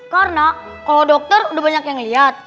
karena kalau dokter udah banyak yang lihat